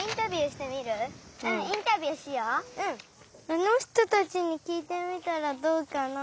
あのひとたちにきいてみたらどうかな。